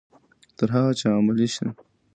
تر هغه چې عملي شي.